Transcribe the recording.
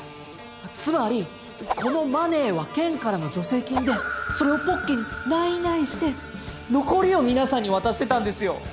つまりこのマネーは県からの助成金でそれをポッケにないないして残りを皆さんに渡してたんですよ！